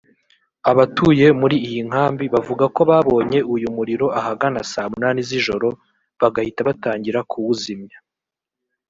Abatuye muri iyi nkambi bavuga ko babonye uyu muriro ahagana saa munani z’ijoro bagahita batangira kuwuzimya